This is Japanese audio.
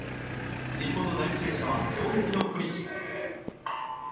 日本の第１泳者は背泳ぎの小西。